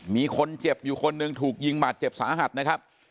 มีคนเจ็บอยู่คนหนึ่งถูกยิงบาดเจ็บสาหัสนะครับ